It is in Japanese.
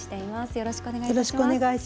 よろしくお願いします。